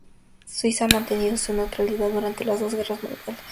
Suiza ha mantenido su neutralidad durante las dos guerras mundiales.